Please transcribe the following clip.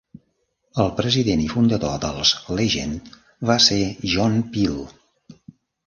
El president i fundador dels Legend va ser John Peel.